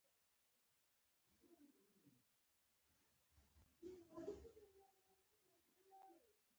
خپل شعر لرئ؟ هو، لږ ډیر می لیکلي ده